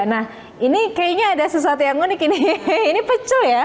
nah ini kayaknya ada sesuatu yang unik ini pecul ya